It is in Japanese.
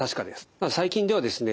ただ最近ではですね